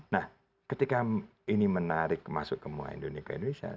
nah ketika ini menarik masuk ke indonesia